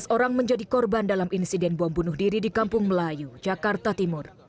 tiga belas orang menjadi korban dalam insiden bom bunuh diri di kampung melayu jakarta timur